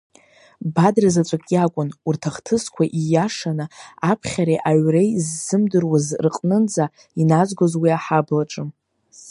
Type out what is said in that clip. Бадра заҵәык иакәын урҭ ахҭысқәа ииашаны аԥхьареи аҩреи ззымдыруаз рҟнынӡа иназгоз уи аҳаблаҿы.